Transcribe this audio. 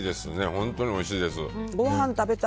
本当においしいです。